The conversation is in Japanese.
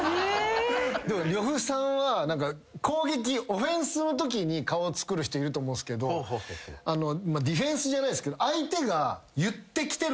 でも呂布さんはオフェンスのときに顔つくる人いると思うんですけどディフェンスじゃないですけど。